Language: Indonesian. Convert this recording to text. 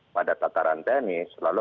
pada tataran teknis selalu